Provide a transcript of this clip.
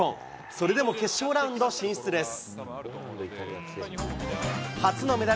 それでも決勝ラウンド進出です。